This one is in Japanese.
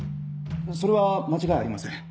それは間違いありません。